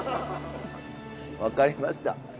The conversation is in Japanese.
分かりました。